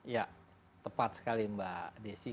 ya tepat sekali mbak desi